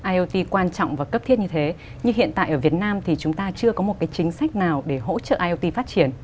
iot quan trọng và cấp thiết như thế nhưng hiện tại ở việt nam thì chúng ta chưa có một cái chính sách nào để hỗ trợ iot phát triển